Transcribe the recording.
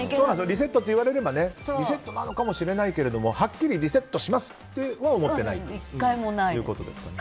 リセットって言われればリセットなのかもしれないけどはっきりリセットしますとは思ってないということですよね。